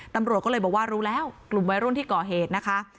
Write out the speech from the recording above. ตำรวจก็เลยบอกว่ารู้แล้วกลุ่มวัยรุ่นที่ก่อเหตุนะคะ